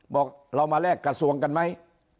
บอกเรามาแลกกระทรวงกันไหม